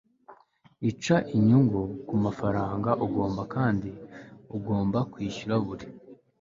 ica inyungu ku mafaranga ugoma kandi ugomba kwishyura buri